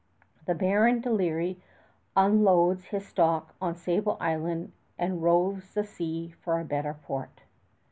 The Baron de Lery unloads his stock on Sable island and roves the sea for a better port.